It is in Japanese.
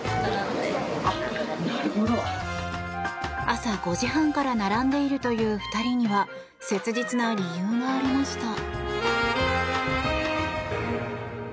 朝５時半から並んでいるという２人には切実な理由がありました。